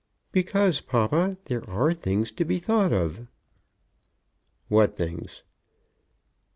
"Because, papa, there are things to be thought of." "What things?"